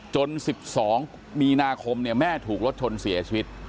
๑๒มีนาคมแม่ถูกรถชนเสียชีวิต